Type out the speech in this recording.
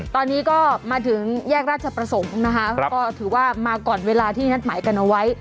ตอนนี้ก็มาถึงแยกราชประสงค์นะคะก็ถือว่ามาก่อนเวลาที่นัดหมายกันเอาไว้